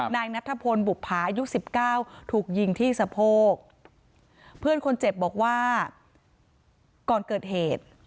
นายนัทพลบุภาอายุสิบเก้าถูกยิงที่สะโพกเพื่อนคนเจ็บบอกว่าก่อนเกิดเหตุ